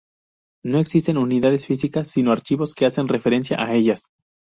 No existen unidades físicas, sino archivos que hacen referencia a ellas.